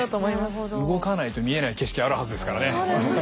そうですね動かないと見えない景色あるはずですからね。